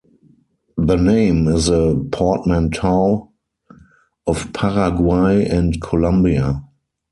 The name is a portmanteau of Paraguay and Colombia.